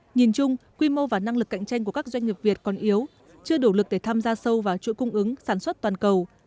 nhìn chung quy mô và năng lực cạnh tranh của các doanh nghiệp việt còn yếu chưa đủ lực để tham gia sâu vào chuỗi cung ứng sản xuất toàn cầu